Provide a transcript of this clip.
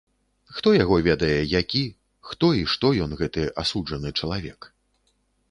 Хто яго ведае, які, хто і што ён, гэты асуджаны чалавек.